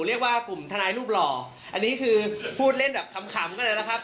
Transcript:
เรียกว่ากลุ่มทนายรูปหล่ออันนี้คือพูดเล่นแบบขำกันเลยนะครับ